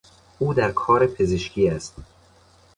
او در کار پزشکی است.